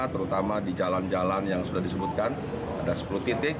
terutama di jalan jalan yang sudah disebutkan ada sepuluh titik